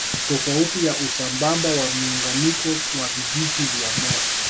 Tofauti na usambamba wa muunganiko wa vijiti vya moto